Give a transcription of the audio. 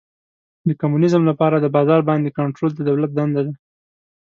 د کمونیزم لپاره د بازار باندې کنټرول د دولت دنده ده.